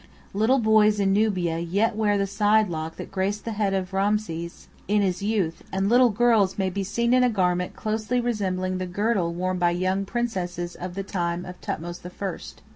Little boys in Nubia yet wear the side lock that graced the head of Rameses in his youth; and little girls may be seen in a garment closely resembling the girdle worn by young princesses of the time of Thothmes the First.